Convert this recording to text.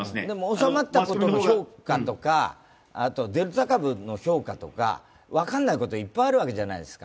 収まったことの評価とかデルタ株の評価とか分からないこと、いっぱいあるわけじゃないですか。